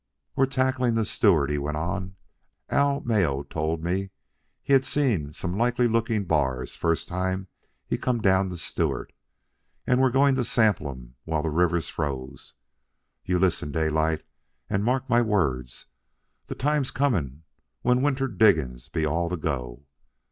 "We're tacklin' the Stewart," he went on. "Al Mayo told me he seen some likely lookin' bars first time he come down the Stewart, and we're goin' to sample 'em while the river's froze. You listen, Daylight, an' mark my words, the time's comin' when winter diggin's'll be all the go.